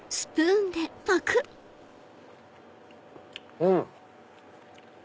うん！